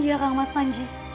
iya kang mas panji